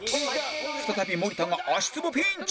再び森田が足つぼピンチ！